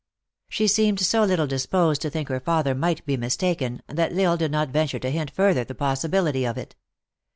She seemed so little disposed to think her father might be mistaken, that L Isle did not venture to hint further the possibility of it.